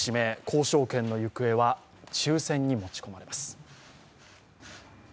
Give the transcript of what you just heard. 交渉権の行方は抽選に持ち込まれます。